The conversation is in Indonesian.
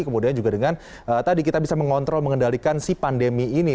kemudian juga dengan tadi kita bisa mengontrol mengendalikan si pandemi ini